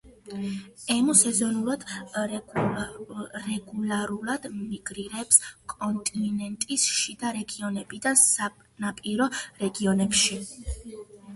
ემუ სეზონურად, რეგულარულად მიგრირებს კონტინენტის შიდა რეგიონებიდან სანაპირო რეგიონებში.